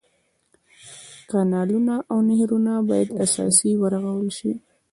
کانلونه او نهرونه باید اساسي ورغول شي.